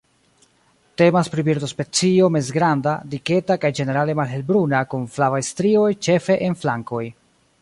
Temas pri birdospecio mezgranda, diketa kaj ĝenerale malhelbruna kun flavaj strioj ĉefe en flankoj.